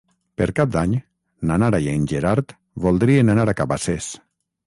Per Cap d'Any na Nara i en Gerard voldrien anar a Cabacés.